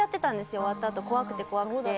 終わった後怖くて怖くて。